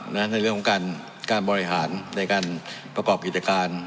ในเรื่องของการบริหารในการประกอบกิจการ